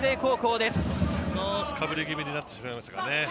少しかぶり気味になってしまいましたかね。